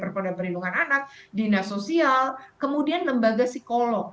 nah itu juga penas pemerintah perlindungan anak dinas sosial kemudian lembaga psikolog